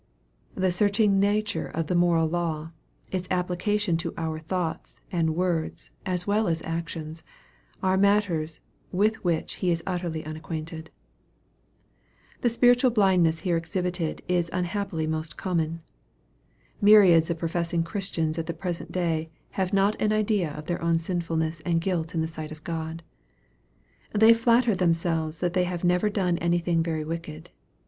The searching nature of the moral law, its application to our thoughts, and words, as well as actions, are matters with which he is utterly unacquainted. The spiritual blindness here exhibited is unhappily most common. Myriads of professing Christians at the present day have not an idea of their own sinfulness and guilt in the sight of God. They flatter themselves that they have never done anything very wicked.